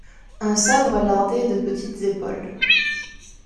Un sabre lardait de petites épaules.